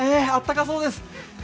あったかそうです。